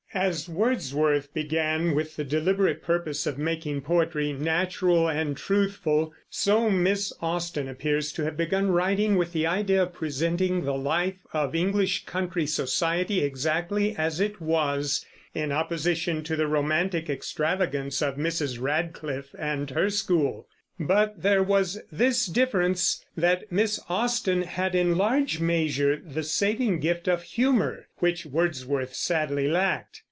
As Wordsworth began with the deliberate purpose of making poetry natural and truthful, so Miss Austen appears to have begun writing with the idea of presenting the life of English country society exactly as it was, in opposition to the romantic extravagance of Mrs. Radcliffe and her school. But there was this difference, that Miss Austen had in large measure the saving gift of humor, which Wordsworth sadly lacked.